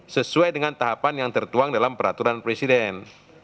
sesuai dengan tahapan yang tertuang dalam peraturan presiden